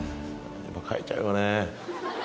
やっぱ描いちゃうよね。